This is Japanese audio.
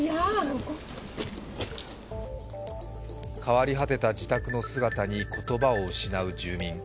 変わり果てた自宅の姿に言葉を失う住民。